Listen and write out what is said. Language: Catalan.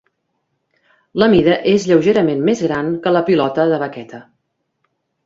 La mida és lleugerament més gran que la pilota de vaqueta.